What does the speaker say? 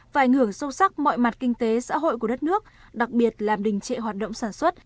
và ảnh hưởng sâu sắc mọi mặt kinh tế xã hội của đất nước đặc biệt làm đình trệ hoạt động sản xuất